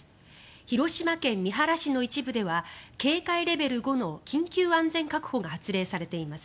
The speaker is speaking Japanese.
広島県三原市の一部では警戒レベル５の緊急安全確保が発令されています。